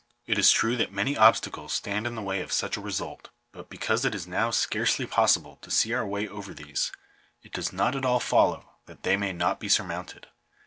It is true that many obstacles stand in the way of such a result But because it is now scarcely possible to see our way over these, it does not at all follow that they may not be surmounted.